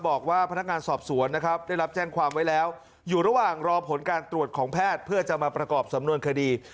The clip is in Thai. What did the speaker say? บอกว่าพนักงานสอบสวนนะครับได้รับแจ้งความไว้แล้วอยู่ระหว่างรอผลการตรวจของแพทย์เพื่อจะมาประกอบสำนวนคดี